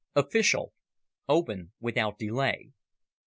Official. Open Without Delay.